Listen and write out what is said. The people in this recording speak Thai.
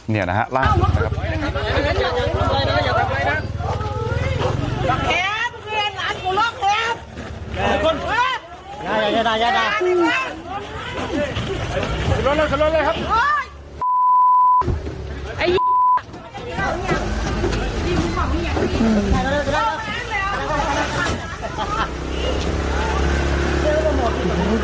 เนี่ยนะฮะร่างนะครับ